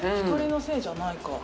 光のせいじゃないか。